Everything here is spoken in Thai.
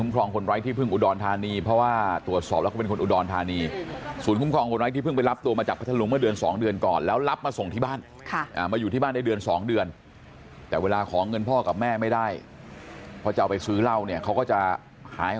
ขอเข้ามาอยู่เดือน๒เดือนที่ผ่านมาก็อยู่ไม่ได้เลย